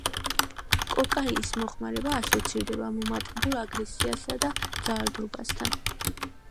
კოკაინის მოხმარება ასოცირდება მომატებულ აგრესიასა და ძალადობასთან.